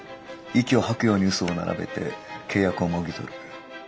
息を吐くように嘘を並べて契約をもぎ取る。